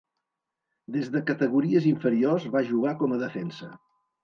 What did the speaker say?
Des de categories inferiors va jugar com a defensa.